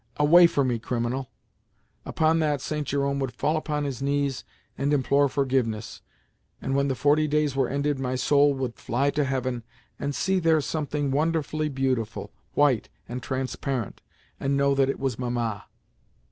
Away from me, criminal!" Upon that St. Jerome would fall upon his knees and implore forgiveness, and when the forty days were ended my soul would fly to Heaven, and see there something wonderfully beautiful, white, and transparent, and know that it was Mamma.